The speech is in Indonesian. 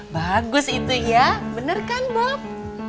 bagus itu ya bener kan bob